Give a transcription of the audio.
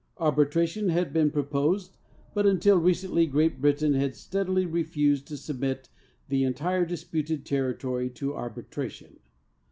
Arbitration' had been proposed, but until recently Great Britain had steadily refused to submit the entire disputeil territory to arbitration.